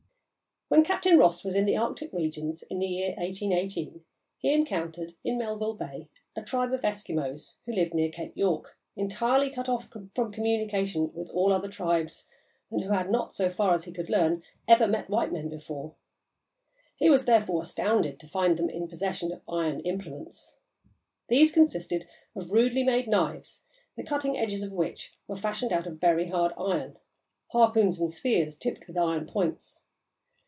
When Captain Ross was in the Arctic regions in the year 1818, he encountered, in Melville Bay, a tribe of Eskimos who lived near Cape York, entirely cut off from communication with all other tribes, and who had not, so far as he could learn, ever met white men before. He was, therefore, astounded to find them in possession of iron implements. These consisted of rudely made knives, the cutting edges of which were fashioned out of very hard iron; harpoons and spears, tipped with iron points.